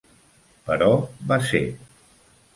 Però va ser.